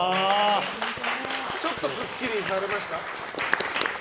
ちょっとすっきりされました？